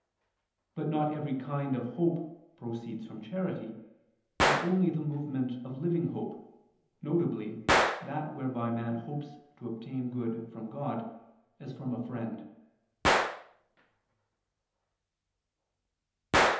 But not every kind of hope proceeds from charity, but only the movement of living hope, viz. that whereby man hopes to obtain good from God, as from a friend.